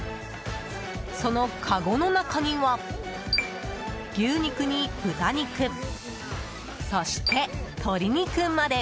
そのかごの中には牛肉に豚肉そして鶏肉まで。